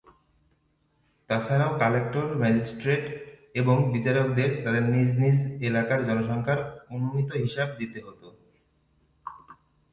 তাছাড়াও collector, magistrate এবং বিচারকদের তাদের নিজ নিজ এলাকার জনসংখ্যার অনুমিত হিসাব দিতে হতো।